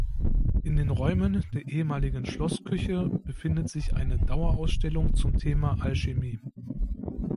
In den Räumen der ehemaligen Schlossküche befindet sich eine Dauerausstellung zum Thema Alchemie.